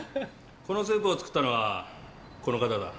このスープを作ったのはこの方だ。